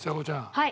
はい。